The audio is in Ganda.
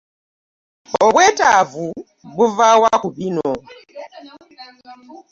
Obwetaavu buva wa ku bino?